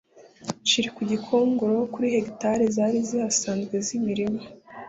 nshiri ku gikongoro kuri hegitari zari zihasanzwe z imirima